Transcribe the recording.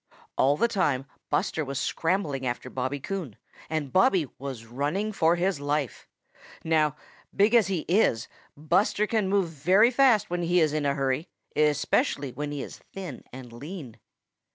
All the time Buster was scrambling after Bobby Coon, and Bobby was running for his life. Now big as he is, Buster can move very fast when he is in a hurry, especially when he is thin and lean.